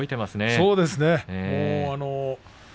そうですね。